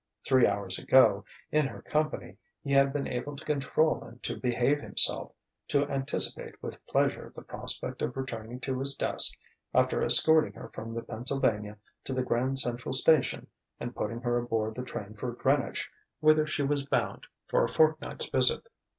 Three hours ago, in her company, he had been able to control and to behave himself, to anticipate with pleasure the prospect of returning to his desk after escorting her from the Pennsylvania to the Grand Central Station and putting her aboard the train for Greenwich, whither she was bound for a fortnight's visit.